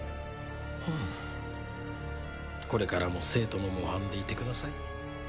これからも生徒の模範でいてください。